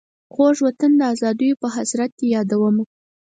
خوږ وطن د آزادیو په حسرت دي یادومه.